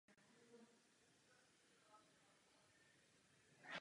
Připravuje se v Taškentu.